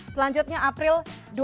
selanjutnya april dua ribu tujuh belas